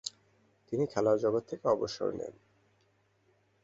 তিনি খেলার জগৎ থেকে অবসর নেন।